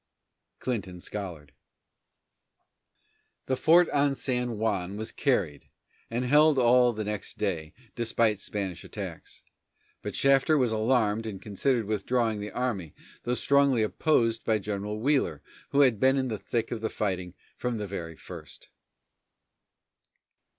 CLINTON SCOLLARD. The fort on San Juan was carried and held all the next day, despite Spanish attacks. But Shafter was alarmed and considered withdrawing the army, though strongly opposed by General Wheeler, who had been in the thick of the fighting from the very first.